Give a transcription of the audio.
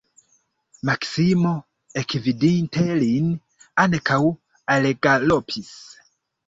Maksimo, ekvidinte lin, ankaŭ algalopis.